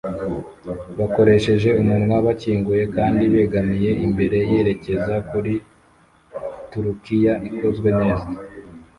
bakoresheje umunwa bakinguye kandi begamiye imbere yerekeza kuri turukiya ikozwe neza